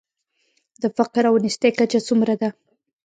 د فقر او نیستۍ کچه څومره ده؟